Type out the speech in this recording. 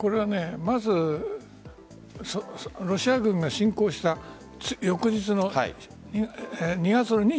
まずロシア軍が侵攻した翌日の２月２５日。